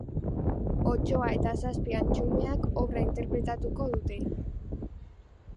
Otsoa eta zazpi antxumeak obra interpretatuko dute.